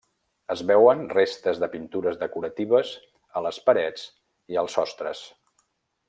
Es veuen restes de pintures decoratives a les parets i als sostres.